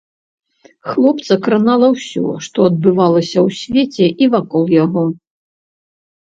Хлопца кранала ўсё, што адбывалася ў свеце і вакол яго.